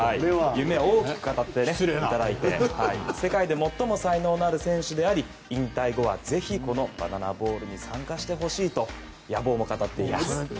夢を大きく語っていただいて世界で最も才能のある選手であり引退後はぜひこのバナナボールに参加してほしいと野望を語っています。